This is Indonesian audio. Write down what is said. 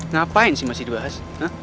ngapain sih masih dibahas